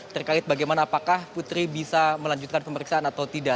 terkait bagaimana apakah putri bisa melanjutkan pemeriksaan atau tidak